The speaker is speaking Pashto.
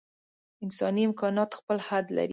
انساني امکانات خپل حد لري.